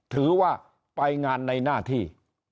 ถือว่าไปงานในหน้าที่